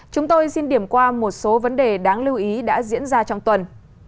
chúng tôi xin điểm qua một số vấn đề đáng lưu ý đã diễn ra trong tuần